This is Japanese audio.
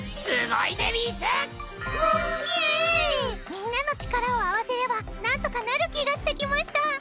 みんなの力を合わせればなんとかなる気がしてきました。